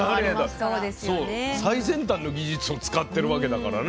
そう最先端の技術を使ってるわけだからね。